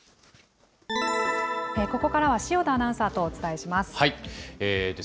ここからは塩田アナウンサーとお伝えします。